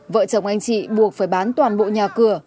vợ chồng anh chị buộc phải bán toàn bộ nhà cửa